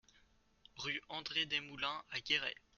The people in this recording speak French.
Rue André Desmoulins à Guéret